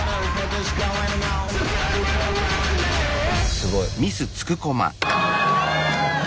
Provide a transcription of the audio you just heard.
すごい。